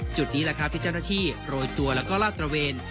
จุดนี้แหละครับที่เจ้าหน้าที่โรยตัวแล้วก็ลาดตระเวน